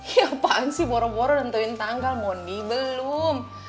ya apaan sih boro boro nentuin tanggal mondi belum